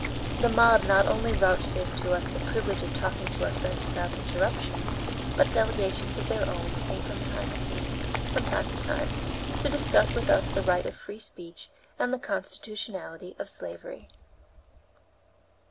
The mob not only vouchsafed to us the privilege of talking to our friends without interruption, but delegations of their own came behind the scenes, from time to time, to discuss with us the right of free speech and the constitutionality of slavery.